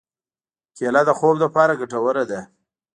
کېله د خوب لپاره ګټوره ده.